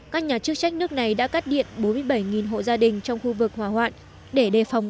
các nhà chức trách nước này đã cắt điện bốn mươi bảy hộ gia đình trong khu vực hòa hoạn để đề phòng